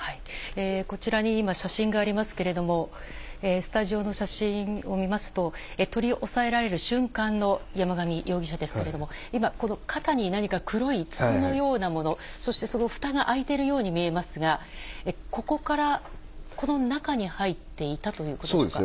こちらに今、写真がありますけれども、スタジオの写真を見ますと、取り押さえられる瞬間の山上容疑者ですけれども、今、この肩に何か黒い筒のようなもの、そしてそのふたが開いてるように見えますが、ここからこの中に入っていたということですか。